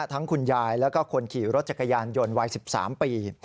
ทั้งคุณยายและคนขี่รถจักรยานยนต์วัย๑๓ปี